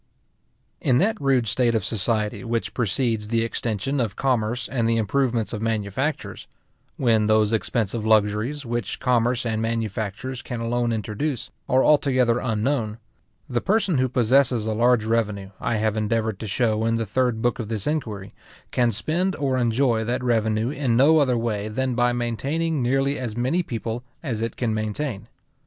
In that rude state of society which precedes the extension of commerce and the improvement of manufactures; when those expensive luxuries, which commerce and manufactures can alone introduce, are altogether unknown; the person who possesses a large revenue, I have endeavoured to show in the third book of this Inquiry, can spend or enjoy that revenue in no other way than by maintaining nearly as many people as it can maintain.